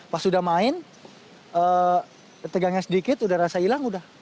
pas udah main tegangnya sedikit udah rasa hilang udah